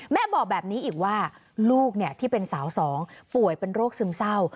แม่บอกแบบนี้อีกว่าลูกที่เป็นสาวสองป่วยเป็นโรคซึมเศร้า